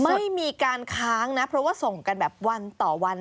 ไม่มีการค้างนะเพราะว่าส่งกันแบบวันต่อวัน